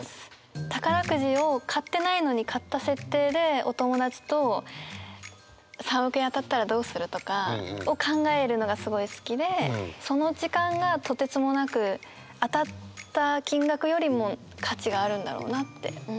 宝くじを買ってないのに買った設定でお友達と「３億円当たったらどうする？」とかを考えるのがすごい好きでその時間がとてつもなく当たった金額よりも価値があるんだろうなって思います。